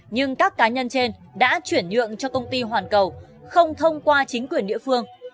nhưng các cá nhân trên đã chuyển nhượng cho công ty hoàn cầu không thông qua chính quyền địa phương